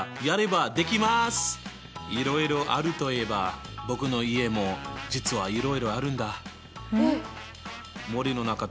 いろいろあるといえば僕の家も実はいろいろあるんだ。